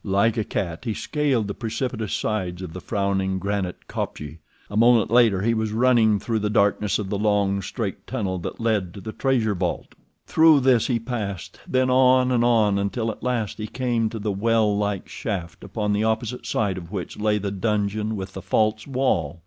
Like a cat he scaled the precipitous sides of the frowning granite kopje. A moment later he was running through the darkness of the long, straight tunnel that led to the treasure vault. Through this he passed, then on and on until at last he came to the well like shaft upon the opposite side of which lay the dungeon with the false wall.